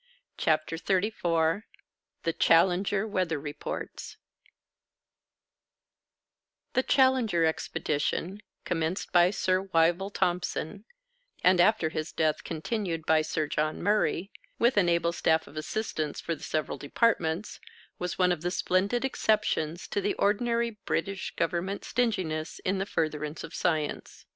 CHAPTER XXXIV THE "CHALLENGER" WEATHER REPORTS The Challenger Expedition, commenced by Sir Wyville Thomson, and after his death continued by Sir John Murray, with an able staff of assistants for the several departments, was one of the splendid exceptions to the ordinary British Government stinginess in the furtherance of science.